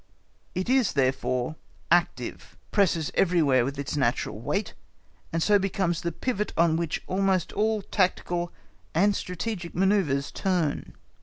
It is, therefore, active; presses everywhere with its natural weight, and so becomes the pivot on which almost all tactical and strategic manœuvres turn.